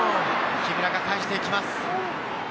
木村が返していきます。